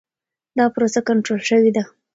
دا پروسه کنټرول شوې ده.